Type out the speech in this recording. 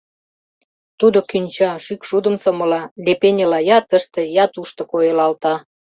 Тудо кӱнча, шӱкшудым сомыла, лепеньыла я тыште, я тушто койылалта.